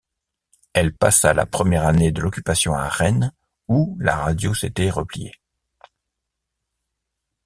Elle passa la première année de l’occupation à Rennes où la radio s’était repliée.